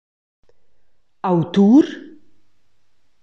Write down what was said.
Autur?